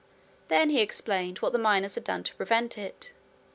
Then he explained what the miners had done to prevent it.